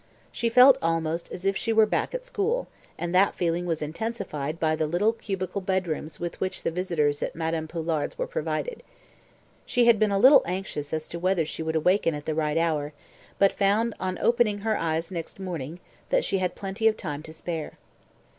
She felt almost as if she were back at school, and that feeling was intensified by the little cubicle bedrooms with which the visitors at Madame Poulard's were provided. She had been a little anxious as to whether she would awaken at the right hour, but found, on opening her eyes next morning, that she had plenty of time to spare.